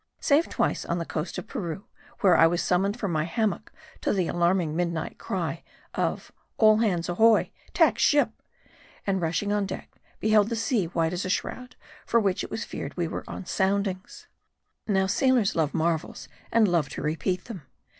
Save twice on the coast of Peru, where I was summoned from my hammock to the alarming midnight cry of " All hands ahoy ! tack ship !" And rushing on deck, beheld the sea white as a shroud ; for which reason it was feared we were on soundings. > Now, sailors love marvels, and love to repeat them.